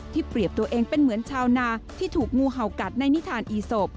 เปรียบตัวเองเป็นเหมือนชาวนาที่ถูกงูเห่ากัดในนิทานอีศพ